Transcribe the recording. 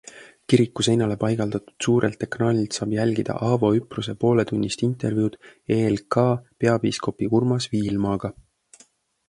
Kiriku seinale paigaldatud suurelt ekraanilt saab jälgida Avo Üpruse pooletunnist intervjuud EELK peapiiskopi Urmas Viilmaga.